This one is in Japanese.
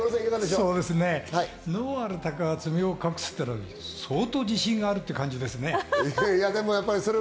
能ある鷹は爪を隠すというのは、相当自信があるという感じですね。